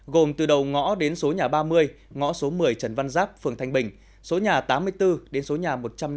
gồm từ đầu ngõ đến số nhà ba mươi ngõ số một mươi trần văn giáp phường thanh bình số nhà tám mươi bốn đến số nhà một trăm năm mươi